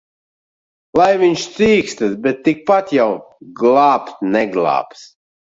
Lai viņš cīkstas! Bet tikpat jau glābt neglābs.